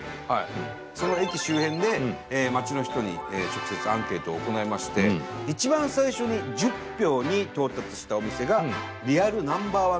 伊達：その駅周辺で街の人に直接アンケートを行いまして一番最初に１０票に到達したお店がリアルＮｏ．１